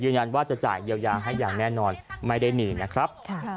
ว่าจะจ่ายเยียวยาให้อย่างแน่นอนไม่ได้หนีนะครับ